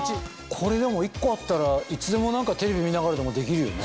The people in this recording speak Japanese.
これでも１個あったらいつでもテレビ見ながらでもできるよね。